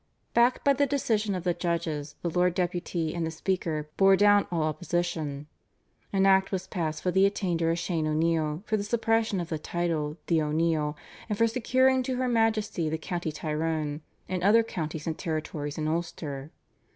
Backed by the decision of the judges, the Lord Deputy and the Speaker bore down all opposition. An act was passed for the attainder of Shane O'Neill, for the suppression of the title The O'Neill, and for securing to her Majesty the County Tyrone and other counties and territories in Ulster.